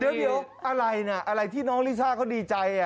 เดี๋ยวอะไรนะอะไรที่น้องลิซ่าเขาดีใจ